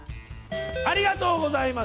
ありがとうございます。